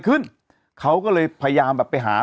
เขาก็เลยพยายามไปหาสืบหา